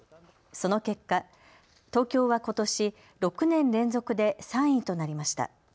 その結果、東京はことし６年連続で３位となりました。